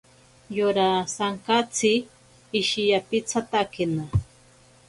Yora sankatsi ishiyapitsatakena.